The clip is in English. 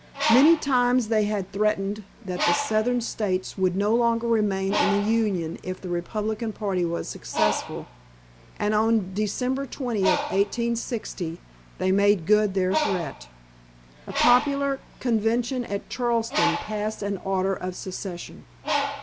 Many times they had threatened that the Southern States would no longer remain in the Union if the Republican party was successful, and on December 20, 1860, they made good their threat. A popular convention at Charleston passed an order of secession.